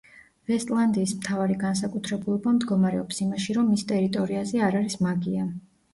ვესტლანდიის მთავარი განსაკუთრებულობა მდგომარეობს იმაში, რომ მის ტერიტორიაზე არ არის მაგია.